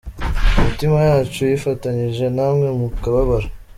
Imitima yacu yifatanyije namwe mu kababaro.